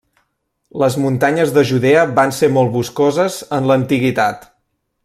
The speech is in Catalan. Les muntanyes de Judea van ser molt boscoses en l'antiguitat.